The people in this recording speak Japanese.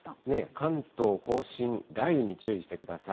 関東甲信、雷雨に注意してください。